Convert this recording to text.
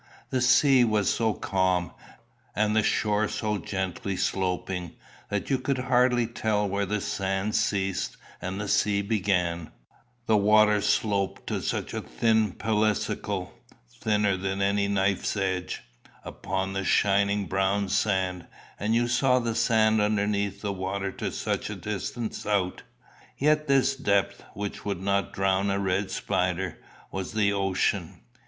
The sea was so calm, and the shore so gently sloping, that you could hardly tell where the sand ceased and the sea began the water sloped to such a thin pellicle, thinner than any knife edge, upon the shining brown sand, and you saw the sand underneath the water to such a distance out. Yet this depth, which would not drown a red spider, was the ocean.